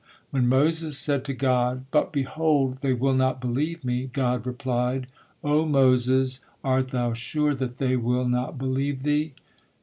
When Moses said to God, "But behold, they will not believe me," God replied: "O Moses, art thou sure that they will not believe thee?